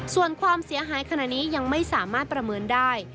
ส่วนความเสียหายขณะนี้ยังไม่สามารถประเมินได้